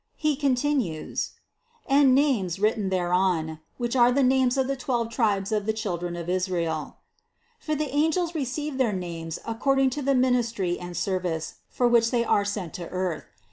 274. He continues: "And names written thereon, which are the names of the twelve tribes of the children of Israel;" for the angels receive their names according to the ministry and service, for which they are sent to the earth.